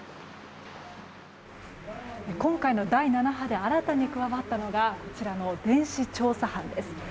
今回の第７波で新たに加わったのがこちらの電子調査班です。